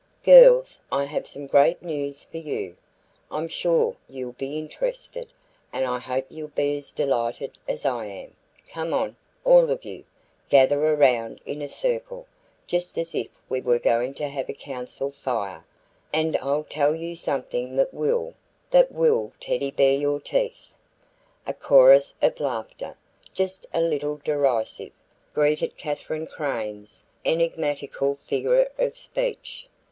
"Girls, I have some great news for you. I'm sure you'll be interested, and I hope you'll be as delighted as I am. Come on, all of you. Gather around in a circle just as if we were going to have a Council Fire and I'll tell you something that will that will Teddy Bear your teeth." A chorus of laughter, just a little derisive, greeted Katherine Crane's enigmatical figure of speech.